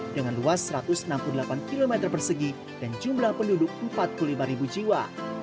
dengan luas satu ratus enam puluh delapan km persegi dan jumlah penduduk empat puluh lima jiwa